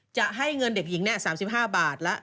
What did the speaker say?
จะให้เงินเด็กหญิง๓๕บาทแล้ว